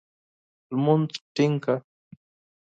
لمونځ ټینګ کړه !